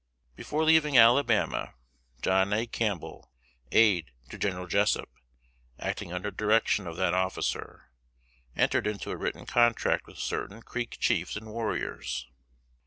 Before leaving Alabama, John A. Campbell, aid to General Jessup, acting under direction of that officer, entered into a written contract with certain Creek chiefs and warriors.